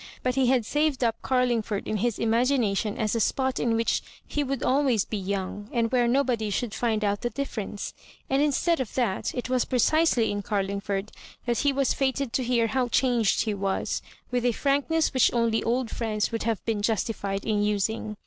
But he had saved up Car lingford in his imagination as a spot in which ho would always be young, and where nobody should find out the difference; and instead of that, it was precisely in Carlingford that he was fated to hear how changed he was, with a frank ness which only old friends would have been justified in using.